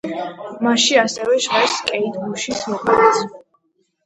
მასში ასევე ჟღერს კეიტ ბუშის ვოკალიც.